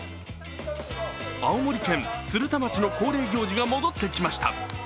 青森県鶴田町の恒例行事が戻ってきました。